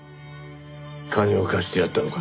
金を貸してやったのか？